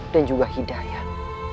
dan juga hidayat